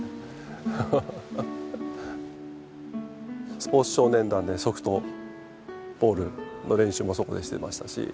スポーツ少年団でソフトボールの練習もそこでしてましたし。